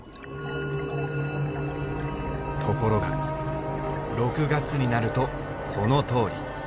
ところが６月になるとこのとおり。